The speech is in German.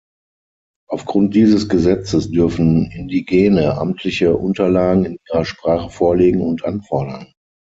Auf Grund dieses Gesetzes dürfen Indigene amtliche Unterlagen in ihrer Sprache vorlegen und anfordern.